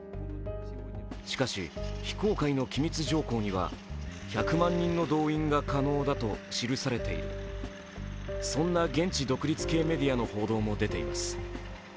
しかし、非公開の機密条項には１００万人の動員が可能だと記されている、そんな現地独立系メディアの報道も出ています。